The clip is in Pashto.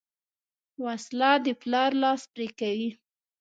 وسله د پلار لاس پرې کوي